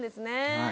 はい。